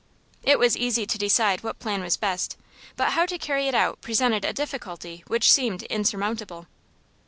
It was easy to decide what plan was best, but how to carry it out presented a difficulty which seemed insurmountable.